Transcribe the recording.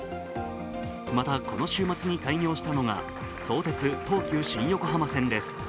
また、この週末に開業したのが相鉄・東急新横浜線です。